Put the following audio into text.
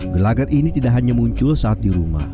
gelagat ini tidak hanya muncul saat di rumah